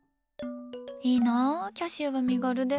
いいな、キャシーは身軽で。